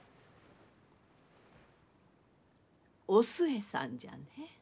お寿恵さんじゃね。